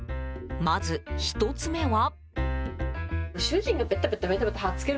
まず、１つ目は。